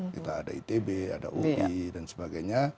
kita ada itb ada ui dan sebagainya